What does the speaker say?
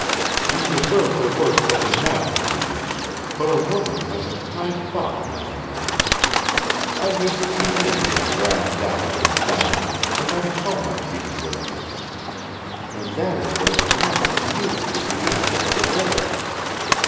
You deserve the worst that can happen to you. But a woman, has a kind thought now and then. I hate to see any man ground down and down, no matter how much he deserves it and that is what is to happen to you if you do not go away.